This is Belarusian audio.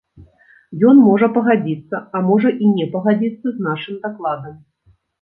Ён можа пагадзіцца, а можа і не пагадзіцца з нашым дакладам.